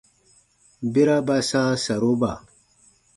Bera ba sãa saroba.